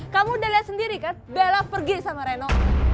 kamu udah lihat sendiri kan bella pergi sama reno